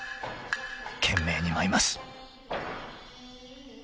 ［懸命に舞います］